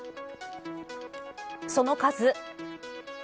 その数。